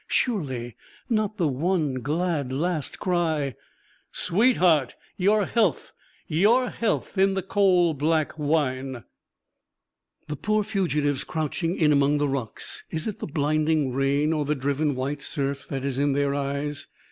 Surely not the one glad last cry: SWEETHEART! YOUR HEALTH! YOUR HEALTH IN THE COAL BLACK WINE! The poor fugitives crouching in among the rocks is it the blinding rain or the driven white surf that is in their eyes?